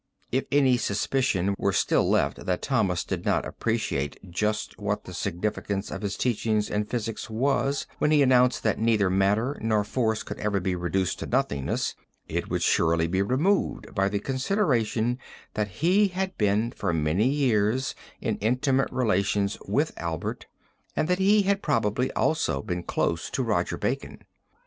If any suspicion were still left that Thomas did not appreciate just what the significance of his teachings in physics was, when he announced that neither matter nor force could ever be reduced to nothingness, it would surely be removed by the consideration that he had been for many years in intimate relations with Albert and that he had probably also been close to Roger Bacon.